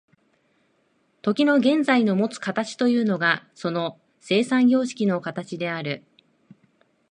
時の現在のもつ形というのがその生産様式の形である。